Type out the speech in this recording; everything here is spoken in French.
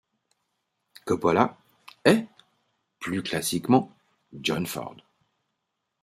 Copolla, et, plus classiquement, John Ford.